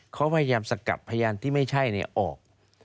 เขาพยายามสกัดพยานที่ไม่ใช่ออก